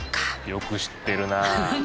よく知ってるな。